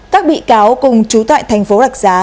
các bị cáo cùng trú tại thành phố rạch giá